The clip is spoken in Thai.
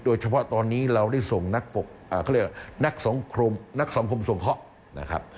โดยเฉพาะตอนนี้เราได้ส่งนักสังครมสงครนะครับ